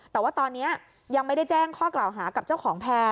แต่ว่าตอนนี้ยังไม่ได้แจ้งข้อกล่าวหากับเจ้าของแพร่